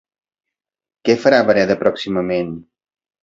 Què farà Bareda pròximament?